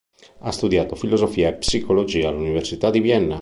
Ha studiato filosofia e psicologia all'Università di Vienna.